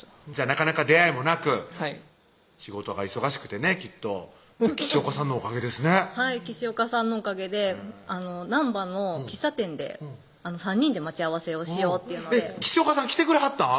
なかなか出会いもなくはい仕事が忙しくてねきっと岸岡さんのおかげですねはい岸岡さんのおかげで難波の喫茶店で３人で待ち合わせをしようっていうのでえっ岸岡さん来てくれはったん？